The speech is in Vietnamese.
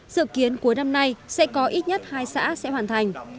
dự kiến cuối năm nay sẽ có ít nhất hai xã sẽ hoàn thành